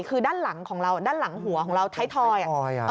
คือด้านหลังหัวของเราไทยทอย